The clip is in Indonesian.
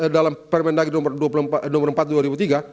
dalam permendagri nomor empat dua ribu tiga